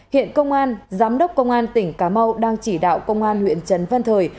hiện công an giám đốc công an tỉnh cà mau đang chỉ đạo công an huyện trần văn thời